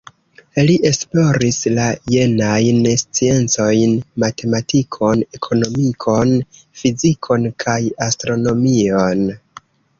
Li esploris la jenajn sciencojn: matematikon, ekonomikon, fizikon kaj astronomion.